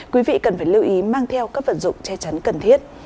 quý vị cần phải lưu ý mang theo các vật dụng che chắn cần thiết